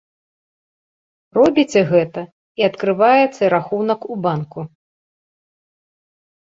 Робіце гэта, і адкрываеце рахунак у банку.